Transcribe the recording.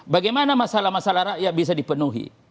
bagaimana masalah masalah rakyat bisa dipenuhi